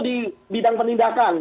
di bidang penindakan